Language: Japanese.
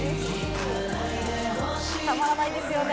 たまらないですよね。